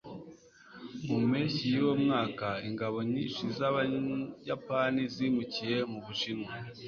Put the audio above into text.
mu mpeshyi yuwo mwaka, ingabo nyinshi z'abayapani zimukiye mu bushinwa